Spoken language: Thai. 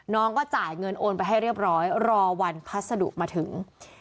น้องก็จ่ายเงินโอนไปให้เรียบร้อยรอวันพัสดุมาถึง